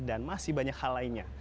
dan masih banyak hal lainnya